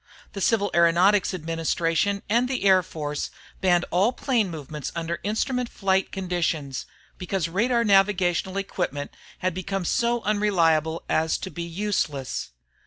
The Civil Aeronautics Administration and the Air Force banned all plane movements under instrument flight conditions, because radar navigational equipment had become so unreliable as to be useless.